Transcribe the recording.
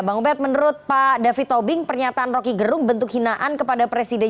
bang ubet menurut pak david tobing pernyataan rokigerung bentuk hinaan kepada presiden